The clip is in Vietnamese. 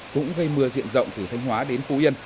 cũng gây mưa diện rộng từ thanh hóa đến phú yên